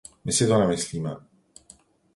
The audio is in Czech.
My si to nemyslíme.